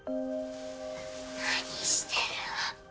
何してるの？